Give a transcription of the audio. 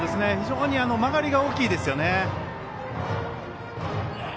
非常に曲がりが大きいですよね。